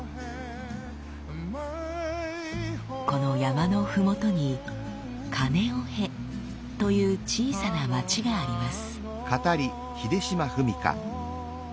この山のふもとにカネオヘという小さな町があります。